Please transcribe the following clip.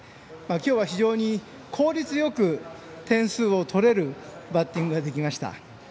今日は非常に効率よく点数を取れるバッティングができました。